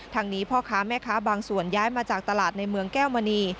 ทางนี้พ่อค้าแม่ค้าบางส่วนย้ายมาจากตลาดในเมืองแก้วมณี